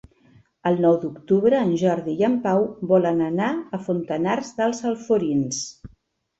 El nou d'octubre en Jordi i en Pau volen anar a Fontanars dels Alforins.